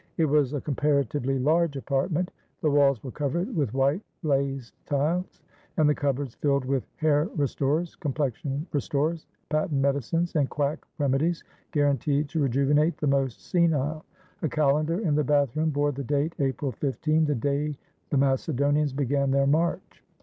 It was a compara tively large apartment. The walls were covered with white, glazed tiles, and the cupboards filled with hair restorers, complexion restorers, patent medicines, and quack remedies guaranteed to rejuvenate the most senile. A calendar in the bathroom bore the date April 15, the day the Macedonians began their march.